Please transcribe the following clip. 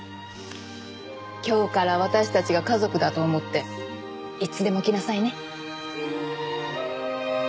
今日から私たちが家族だと思っていつでも来なさいね。